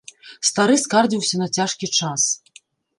Стары скардзіўся на цяжкі час.